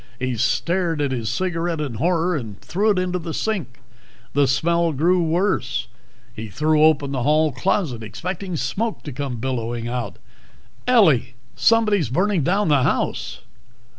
He stared at his cigarette in horror and threw it into the sink. The smell grew worse. He threw open the hall closet, expecting smoke to come billowing out. "Ellie! Somebody's burning down the house!"